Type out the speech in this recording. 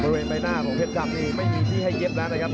บริเวณใบหน้าของเพชรดำนี่ไม่มีที่ให้เย็บแล้วนะครับ